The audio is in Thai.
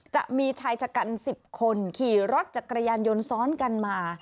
จะมีชายชะกัน๑๐คนขี่รถจักรยานยนต์ซ้อนกันมา